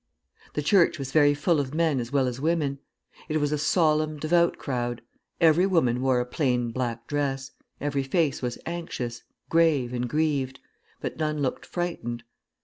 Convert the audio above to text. The church was very full of men as well as women. It was a solemn, devout crowd; every woman wore a plain black dress, every face was anxious, grave, and grieved, but none looked frightened.